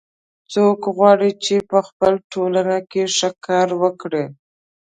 څوک غواړي چې په خپل ټولنه کې ښه کار وکړي